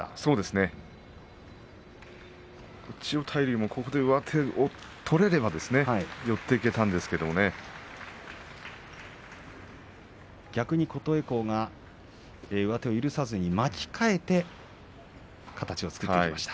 千代大龍もここで上手を取れれば寄っていけたん逆に琴恵光が上手を許さず巻き替えて形を作っていきました。